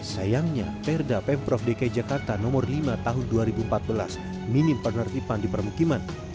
sayangnya perda pemprov dki jakarta nomor lima tahun dua ribu empat belas minim penertiban di permukiman